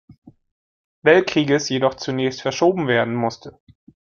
Weltkrieges jedoch zunächst verschoben werden musste.